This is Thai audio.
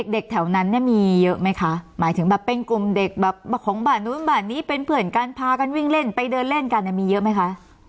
เด็กแถวนั้นเนี่ยมีเยอะไหมคะหมายถึงแบบเป็นกลุ่มเด็กแบบของบ้านนู้นบ้านนี้เป็นเพื่อนกันพากันวิ่งเล่นไปเดินเล่นกันมีเยอะไหมคะ